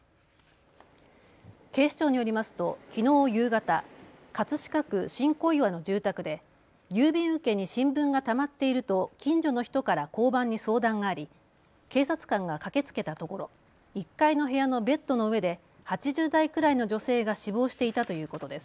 警視庁によりますと、きのう夕方葛飾区新小岩の住宅で郵便受けに新聞がたまっていると近所の人から交番に相談があり警察官が駆けつけたところ、１階の部屋のベッドの上で８０代くらいの女性が死亡していたということです。